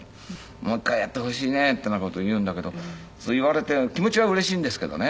「もう一回やってほしいね」っていうような事言うんだけどそう言われて気持ちはうれしいんですけどね